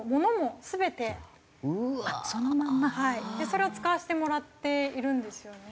それを使わせてもらっているんですよね。